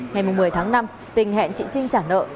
ngày một mươi tháng năm tình hẹn chị trinh trả nợ